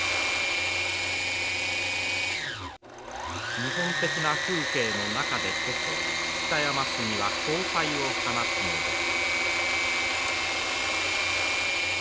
日本的な風景の中でこそ北山杉は光彩を放つのです。